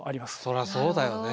そらそうだよね。